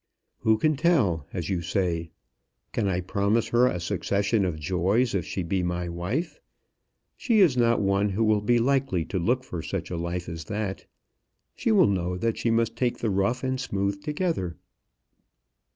"Who can tell, as you say? Can I promise her a succession of joys if she be my wife? She is not one who will be likely to look for such a life as that. She will know that she must take the rough and smooth together."